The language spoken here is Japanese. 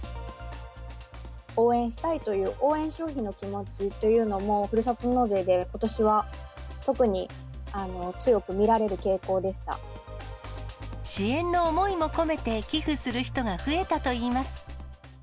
応援したいという、応援消費の気持ちというのもふるさと納税でことしは特に強く見ら支援の思いも込めて、寄付する人が増えたといいます。